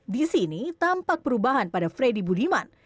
di sini tampak perubahan pada freddy budiman